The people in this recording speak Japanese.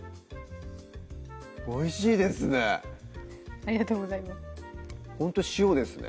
おいしいですねありがとうございますほんと塩ですね